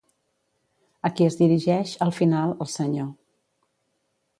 A qui es dirigeix, al final, el senyor.